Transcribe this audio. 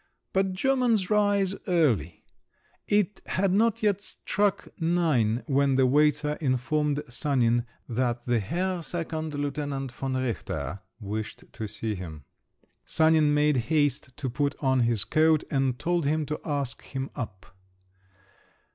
But Germans rise early: it had not yet struck nine when the waiter informed Sanin that the Herr Seconde Lieutenant von Richter wished to see him. Sanin made haste to put on his coat, and told him to ask him up.